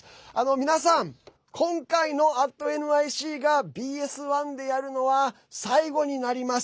皆さん、今回の「＠ｎｙｃ」がＢＳ１でやるのは最後になります。